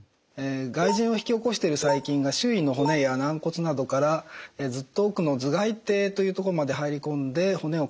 外耳炎を引き起こしている細菌が周囲の骨や軟骨などからずっと奥の頭がい底というところまで入り込んで骨を壊したりします。